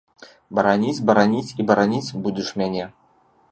Бараніць, бараніць і бараніць будзеш мяне.